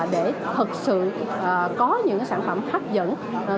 để thực sự có những sản phẩm hấp dẫn